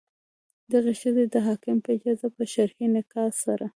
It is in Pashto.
دغې ښځې د حاکم په اجازه په شرعي نکاح سره.